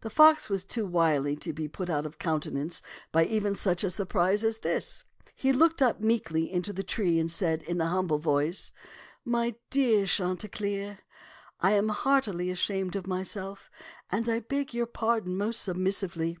The fox was too wily to be put out of countenance by even such a surprise as this. He looked up meekly into the tree and said in a humble voice, "My dear Chanticleer, I am heartily ashamed of myself, and I beg your pardon most submissively.